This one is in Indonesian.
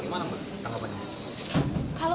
gimana mbak penangkapan itu